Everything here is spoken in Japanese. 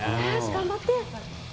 頑張って！